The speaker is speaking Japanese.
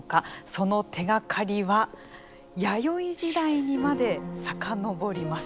その手がかりは弥生時代にまでさかのぼります。